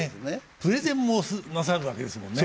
プレゼンもなさるわけですもんね。